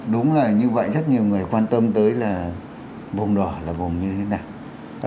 đúng là như vậy rất nhiều người quan tâm tới là vùng đỏ là vùng như thế nào